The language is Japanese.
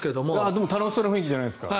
でも楽しそうな雰囲気じゃないですか。